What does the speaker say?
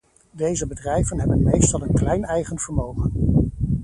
Deze bedrijven hebben meestal een klein eigen vermogen.